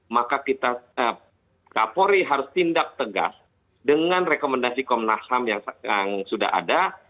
maka kita kapolri harus tindak tegas dengan rekomendasi komnas ham yang sudah ada